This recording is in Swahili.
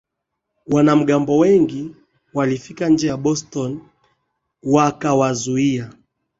Wanamgambo wengi walifika nje ya Boston wakawazuia